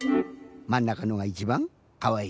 まんなかのがいちばんかわいい？